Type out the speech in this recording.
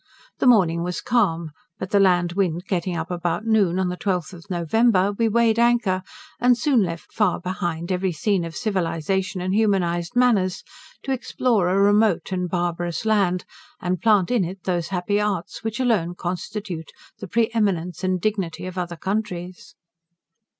The morning was calm, but the land wind getting up about noon, on the 12th of November we weighed anchor, and soon left far behind every scene of civilization and humanized manners, to explore a remote and barbarous land; and plant in it those happy arts, which alone constitute the pre eminence and dignity of other countries.